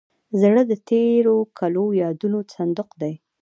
زړه د تېرو ښکلو یادونو صندوق دی.